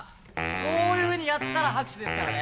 こういうふうにやったら拍手ですからね。